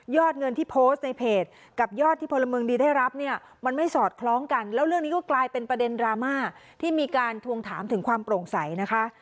เงินที่โพสต์ในเพจกับยอดที่พลเมืองดีได้รับเนี่ยมันไม่สอดคล้องกันแล้วเรื่องนี้ก็กลายเป็นประเด็นดราม่าที่มีการทวงถามถึงความโปร่งใสนะคะ